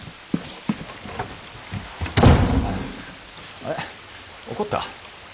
あれ怒った？